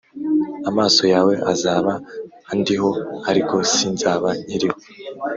amaso yawe azaba andiho ariko sinzaba nkiriho